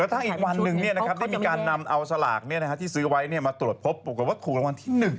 แล้วทางอีกวันหนึ่งมีการนำเอาสลากที่ซื้อไว้มาตรวจพบปกติว่าขู่ละวันที่๑